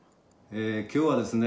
今日はですね